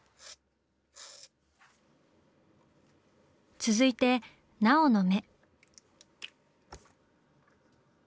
続いて奈緒の目。